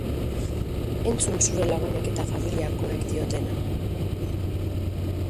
Entzun zure lagunek eta familiakoek diotena.